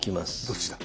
どっちだ？